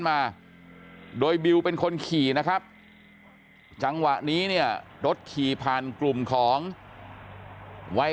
มาโดยบิวเป็นคนขี่นะครับจังหวะนี้เนี่ยรถขี่ผ่านกลุ่มของวัย